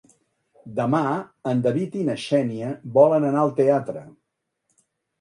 Demà en David i na Xènia volen anar al teatre.